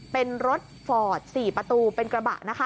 เป็นรถฟอร์ด๔ประตูเป็นกระบะนะคะ